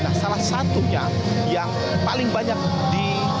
nah salah satunya yang paling banyak di